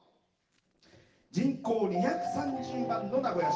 人口２３０万の名古屋市。